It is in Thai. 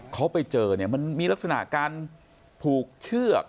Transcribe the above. เขาไปเจอเนี่ยมันมีลักษณะการผูกเชือก